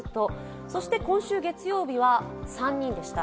そして、今週月曜日は３人でした。